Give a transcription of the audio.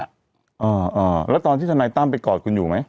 อ่าอ่าแล้วตอนที่ทนายตั้มไปกอดคุณอยู่ไหม